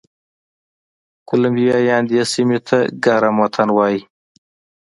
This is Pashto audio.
کولمبیایان دې سیمې ته ګرم وطن وایي.